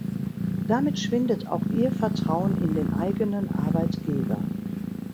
Damit schwindet auch ihr Vertrauen in den eigenen Arbeitgeber.